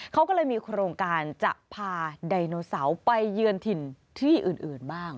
เขาก็เลยมีโครงการจะพาไดโนเสาร์ไปเยือนถิ่นที่อื่นบ้าง